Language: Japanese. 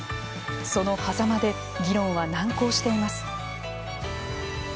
そのはざまで議論は難航しています。